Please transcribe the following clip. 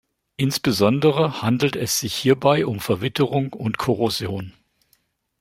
Insbesondere handelt es sich hierbei um Verwitterung und Korrosion.